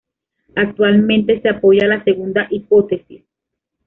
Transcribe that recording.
Actualmente se apoya la segunda hipótesis.